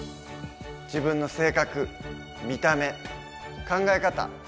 自分の性格見た目考え方